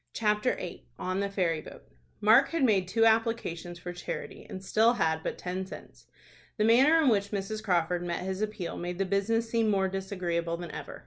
CHAPTER VIII. ON THE FERRY BOAT. Mark had made two applications for charity, and still had but ten cents. The manner in which Mrs. Crawford met his appeal made the business seem more disagreeable than ever.